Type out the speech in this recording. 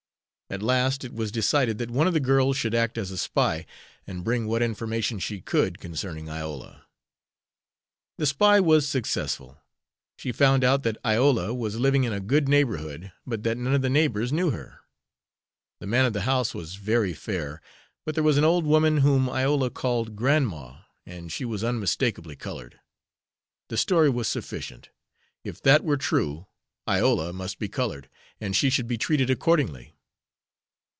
At last it was decided that one of the girls should act as a spy, and bring what information she could concerning Iola. The spy was successful. She found out that Iola was living in a good neighborhood, but that none of the neighbors knew her. The man of the house was very fair, but there was an old woman whom Iola called "Grandma," and she was unmistakably colored. The story was sufficient. If that were true, Iola must be colored, and she should be treated accordingly.